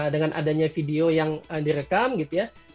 dengan adanya video yang direkam gitu ya